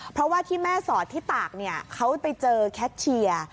เพราะว่าที่แม่สอดที่ตากเนี่ยเขาไปเจอแคทเชียร์